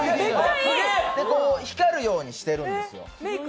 光るようにしてるんですよ。